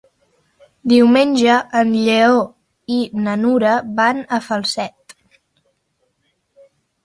Diumenge en Lleó i na Nura van a Falset.